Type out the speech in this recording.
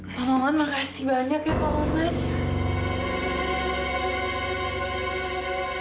pak maman makasih banyak ya pak maman